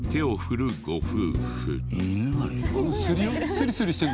スリスリしてる。